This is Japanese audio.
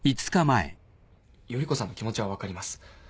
依子さんの気持ちは分かります。